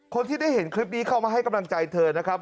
คนที่ได้เห็นคลิปนี้เข้ามาให้กำลังใจเธอนะครับ